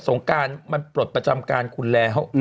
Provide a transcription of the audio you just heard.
งการมันปลดประจำการคุณแล้ว